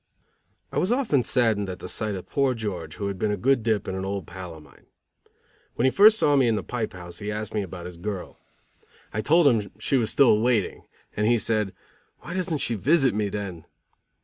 I was often saddened at the sight of poor George, who had been a good dip and an old pal of mine. When he first saw me in the pipe house he asked me about his girl. I told him she was still waiting, and he said: "Why doesn't she visit me then?"